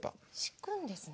敷くんですね。